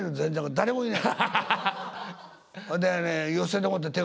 誰もいない。